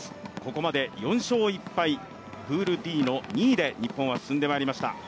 ここまで４勝１敗、プールＤの２位で日本は進んでまいりました。